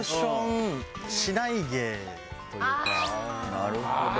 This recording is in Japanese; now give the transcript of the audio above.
なるほど。